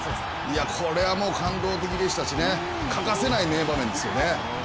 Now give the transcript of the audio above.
これは感動的でしたしね欠かせない名場面ですよね。